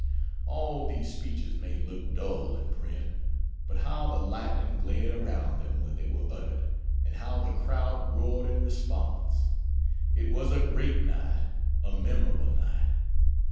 All these speeches may look dull in print, but how the lightning glared around them when they were uttered, and how the crowd roared in response! It was a great night, a memorable night.